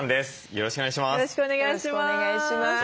よろしくお願いします。